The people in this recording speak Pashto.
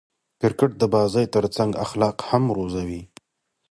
کرکټ د بازي ترڅنګ اخلاق هم روزي.